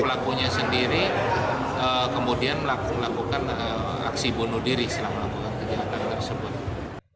pelakunya sendiri kemudian melakukan aksi bunuh diri setelah melakukan kejahatan tersebut